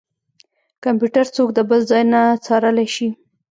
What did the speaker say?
کمپيوټر څوک د بل ځای نه څارلی شي.